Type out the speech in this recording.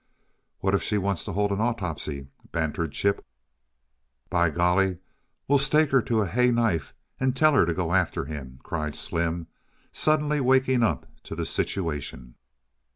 "What if she wants to hold an autopsy?" bantered Chip. "By golly, we'll stake her to a hay knife and tell her to go after him!" cried Slim, suddenly waking up to the situation.